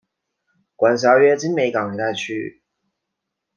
管辖约今北港一带区域。